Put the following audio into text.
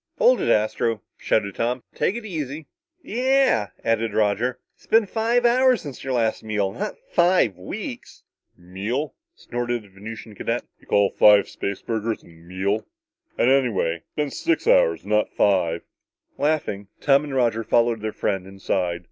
"Hold it, Astro," shouted Tom. "Take it easy." "Yeah," added Roger. "It's been five hours since your last meal not five weeks!" "Meal!" snorted the Venusian cadet. "Call four spaceburgers a meal? And anyway, it's been six hours, not five." Laughing, Tom and Roger followed their friend inside.